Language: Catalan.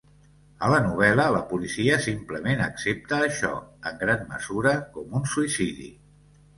A la novel·la la policia simplement accepta això, en gran mesura, com un suïcidi.